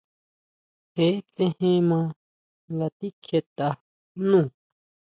Je tséjen maa nga tijikjietʼa nú.